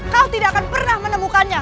kau tidak akan pernah menemukannya